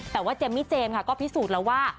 แต่ว่าเจมมี่เจมส์ค่ะก็พิสูจน์แล้วว่า